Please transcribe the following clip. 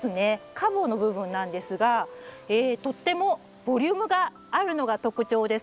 花房の部分なんですがとってもボリュームがあるのが特徴です。